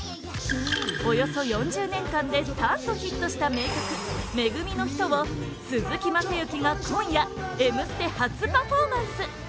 およそ４０年間で３度ヒットした名曲「め組のひと」を鈴木雅之が今夜「Ｍステ」初パフォーマンス